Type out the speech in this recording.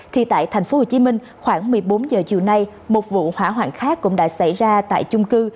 thì tại tp hcm khoảng một mươi bốn giờ chiều nay một vụ hỏa hoạn khác cũng đã xảy ra tại chung cư